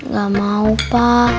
gak mau pak